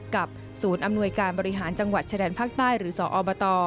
กับศูนย์อำนวยการบริหารจังหวัดชายแดนภาคใต้หรือสอบต